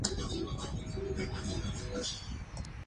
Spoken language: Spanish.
Era el cuarto partido que jugaba en la selección mayor.